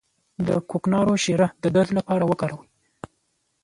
د کوکنارو شیره د درد لپاره وکاروئ